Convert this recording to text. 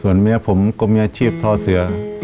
เมียผมก็มีอาชีพทอเสือ